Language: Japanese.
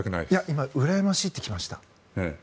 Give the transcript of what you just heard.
今、うらやましいと来ました。